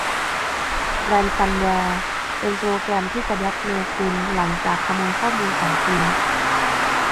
แรนซัมแวร์เป็นโปรแกรมที่จะแบลค์เมล์คุณหลังจากขโมยข้อมูลของคุณ